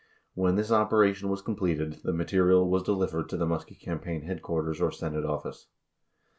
When this operation was completed, the material was delivered to the Muskie campaign headquarters or Senate office.